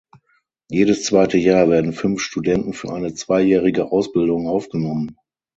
Jedes zweite Jahr werden fünf Studenten für eine zweijährige Ausbildung aufgenommen.